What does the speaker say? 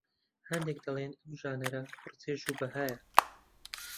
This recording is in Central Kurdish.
هەندێک دەڵێن ئەم ژانرە پڕ چێژ و بەهایە